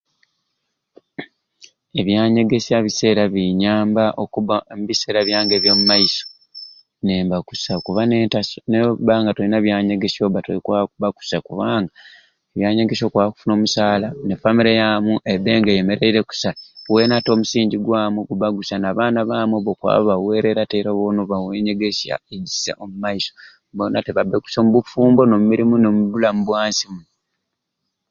Ebyanyegesya bisai era binyamba okubba ombiseera byange ebya maiso nemba kusai kuba nenta noba nga toyina byanyegesya oba tokwakuba kusai kubanga ebyanyegesya okwakufuna omusala ne famire yamu ebe nga eyemereire kusai wenate omusingi gwamu guba gusai n'abaana bamu oba okw'abawerera kusai ate bona obawe enyegesya ejisai omaiso bonate babeku kusai ombufumbo, omirimu nombulamu bwansi muni.